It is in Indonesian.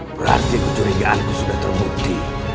berarti kecurigaanku sudah terbukti